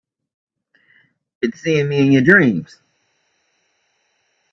Been seeing me in your dreams?